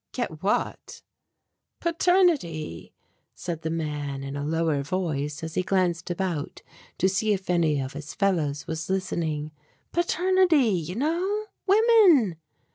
"Get what?" "Paternity," said the man in a lower voice, as he glanced about to see if any of his fellows was listening. "Paternity, you know? Women!"